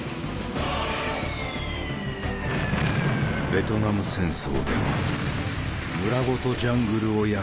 ベトナム戦争では村ごとジャングルを焼き払った。